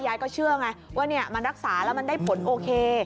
ยายก็เชื่อไงว่ามันรักษาแล้วมันได้ผลโอเค